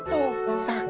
tahan dikit kenapa bang